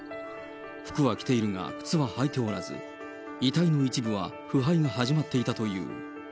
服は着ているが靴は履いておらず、遺体の一部は腐敗が始まっていたという。